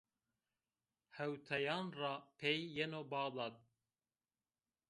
Hewteyan ra pey yeno Bexdad